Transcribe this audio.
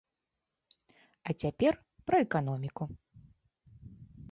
А цяпер пра эканоміку.